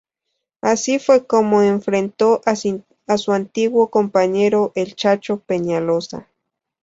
Así fue como enfrentó a su antiguo compañero, el Chacho Peñaloza.